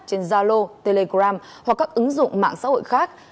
trên zalo telegram hoặc các ứng dụng mạng xã hội khác